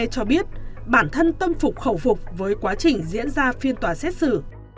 cho biết bản thân tâm phục khẩu phục với quá trình diễn ra phiên tòa xét xử